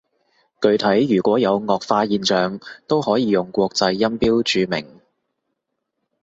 具體如果有顎化現象，都可以用國際音標注明